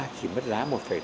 chỉ mất giá một tám mươi sáu